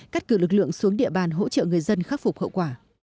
cắt cử lực lượng xuống địa bàn hỗ trợ người dân khắc phục hậu quả